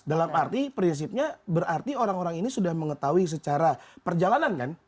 dalam arti prinsipnya berarti orang orang ini sudah mengetahui secara perjalanan kan